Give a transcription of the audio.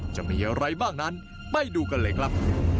จะมีอะไรบ้างนั้นไปดูกันเลยครับ